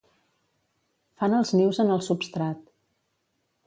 Fan els nius en el substrat.